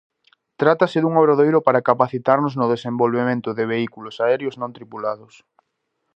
Trátase dun obradoiro para capacitarnos no desenvolvemento de vehículos aéreos non tripulados.